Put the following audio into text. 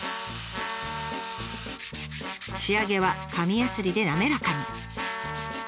仕上げは紙やすりで滑らかに。